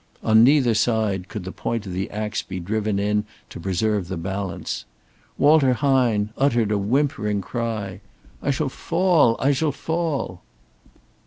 On neither side could the point of the ax be driven in to preserve the balance. Walter Hine uttered a whimpering cry: "I shall fall! I shall fall!"